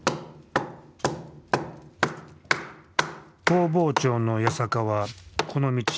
工房長の八坂はこの道４２年。